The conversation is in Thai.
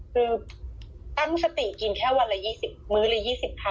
คือตั้งสติกินแค่วันละ๒๐มื้อละ๒๐ค่ะ